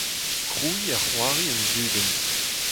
Krouiñ ha c'hoari un dudenn.